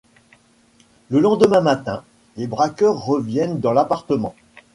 Le lendemain matin, les braqueurs reviennent dans l'appartement.